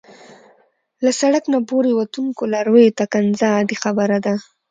له سړک نه پورې وتونکو لارویو ته کنځا عادي خبره ده.